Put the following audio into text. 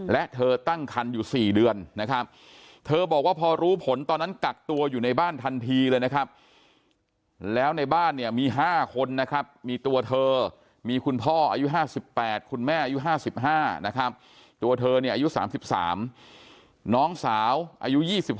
และเธอตั้งคันอยู่๔เดือนนะครับเธอบอกว่าพอรู้ผลตอนนั้นกักตัวอยู่ในบ้านทันทีเลยนะครับแล้วในบ้านเนี่ยมี๕คนนะครับมีตัวเธอมีคุณพ่ออายุ๕๘คุณแม่อายุ๕๕นะครับตัวเธอเนี่ยอายุ๓๓น้องสาวอายุ๒๓